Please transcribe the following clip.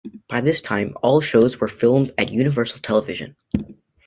By this time, all shows were filmed at Universal Television.